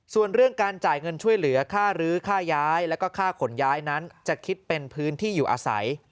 ส่วนเรื่องการจ่ายเงินช่วยเหลือค่ารื้อค่าย้ายแล้วก็ค่าขนย้ายนั้นจะคิดเป็นพื้นที่อยู่อาศัย